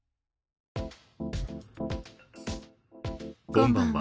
こんばんは。